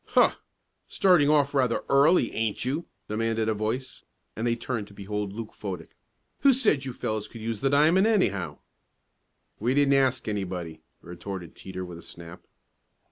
"Huh! Starting off rather early, ain't you?" demanded a voice, and they turned to behold Luke Fodick. "Who said you fellows could use the diamond, anyhow?" "We didn't ask anybody," retorted Teeter with a snap.